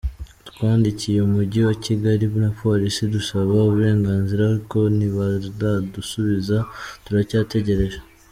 Twandikiye Umujyi wa Kigali na Polisi dusaba uburenganzira ariko ntibaradusubiza turacyategereje.